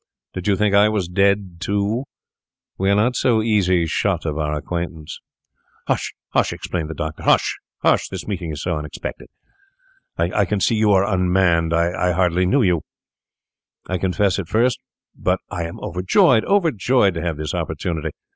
Did you think I was dead too? We are not so easy shut of our acquaintance.' 'Hush, hush!' exclaimed the doctor. 'Hush, hush! this meeting is so unexpected—I can see you are unmanned. I hardly knew you, I confess, at first; but I am overjoyed—overjoyed to have this opportunity.